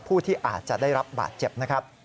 ผู้ที่อาจจะได้รับบาดเจ็บนะครับ